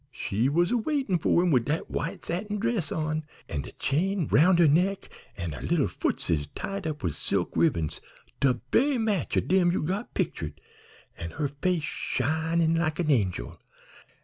She was a waitin' for him wid dat white satin dress on, an' de chain 'round her neck, an' her lil footses tied up wid silk ribbons de ve'y match o' dem you got pictered, an' her face shinin' like a angel.